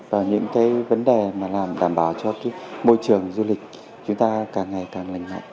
và những cái vấn đề mà làm đảm bảo cho môi trường du lịch chúng ta càng ngày càng lành mạnh